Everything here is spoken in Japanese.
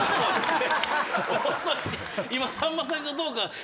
今さんまさんが「どうかしてる」